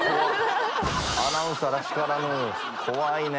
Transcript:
アナウンサーらしからぬ怖いね。